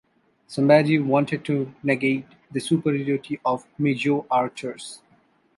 Sambhaji wanted to negate the superiority of Mysore archers.